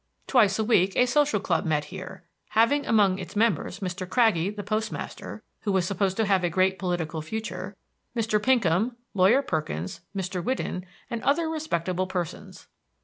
Twice a week a social club met here, having among its members Mr. Craggie, the postmaster, who was supposed to have a great political future, Mr. Pinkham, Lawyer Perkins, Mr. Whidden, and other respectable persons.